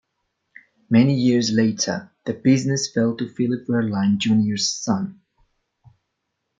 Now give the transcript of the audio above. Many years later, the business fell to Philip Werlein, Junior's son.